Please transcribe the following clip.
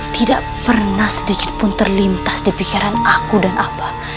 tidak pernah sedikit pun terlintas di pikiran aku dan abah